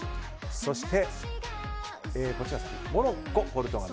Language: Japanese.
そして、モロッコ、ポルトガル。